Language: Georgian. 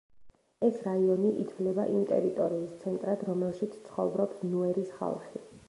ეს რაიონი ითვლება იმ ტერიტორიის ცენტრად, რომელშიც ცხოვრობს ნუერის ხალხი.